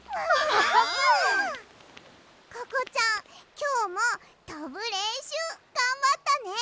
きょうもとぶれんしゅうがんばったね！